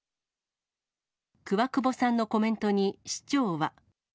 クワクボさんのコメントに市長は。